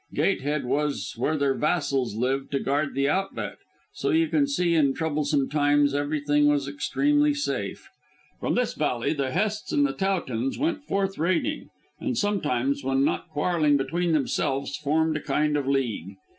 Gatehead was where their vassals lived to guard the outlet, so you can see in troublesome times everything was extremely safe. From this valley the Hests and the Towtons went forth raiding, and sometimes, when not quarrelling between themselves, formed a kind of league.